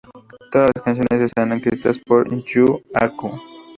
Todas las canciones están escritas por Yū Aku.